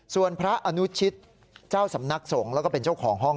ส่วนพระอนุชิตเจ้าสำนักสงฆ์แล้วก็เป็นเจ้าของห้อง